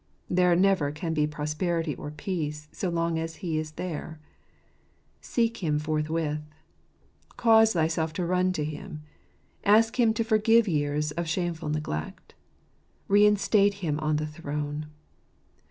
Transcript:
There never can be prosperity or peace so long as He is there. Seek Him forthwith. Cause thyself to run to Him. Ask Him to forgive years of shameful neglect. Reinstate Him on the throne.